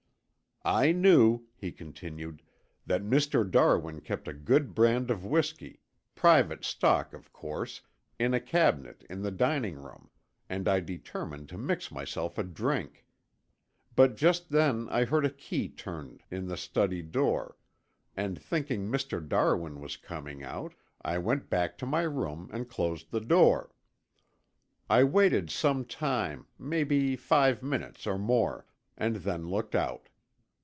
"I knew," he continued, "that Mr. Darwin kept a good brand of whisky, private stock of course, in a cabinet in the dining room, and I determined to mix myself a drink. But just then I heard the key turned in the study door and thinking Mr. Darwin was coming out, I went back to my room and closed the door. I waited some time, maybe five minutes or more, and then looked out.